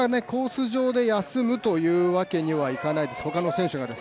なかなか、コース上で休むというわけにはいかないです